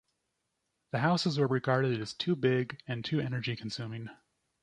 The houses were regarded as too big and too energy consuming.